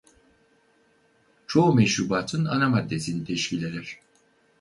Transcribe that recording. Çoğu meşrubatın ana maddesini teşkil eder.